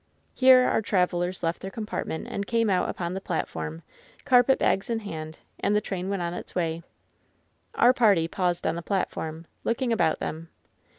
Here our travelers left their compartment and came out upon th^ platform, carpetbags in hand; and the train went on its Way. Our party paused on th^ platform, looking about them.